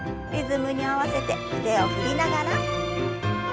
リズムに合わせて腕を振りながら。